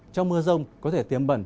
trong mưa rông có thể tiêm bẩn